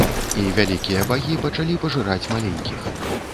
І вялікія багі пачалі пажыраць маленькіх.